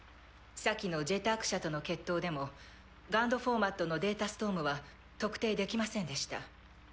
先の「ジェターク社」との決闘でもＧＵＮＤフォーマットのデータストームは特定できませんでした。